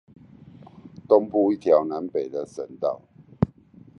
東部一條南北向的省道